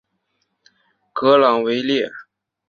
格朗维列。